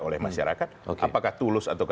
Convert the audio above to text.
oleh masyarakat apakah tulus atau